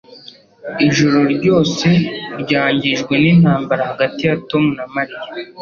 Ijoro ryose ryangijwe nintambara hagati ya Tom na Mariya.